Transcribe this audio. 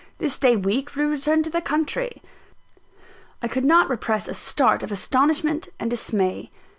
This day week we return to the country." I could not repress a start of astonishment and dismay.